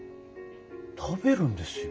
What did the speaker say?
食べるんですよ。